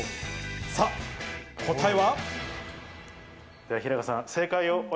さぁ、答えは。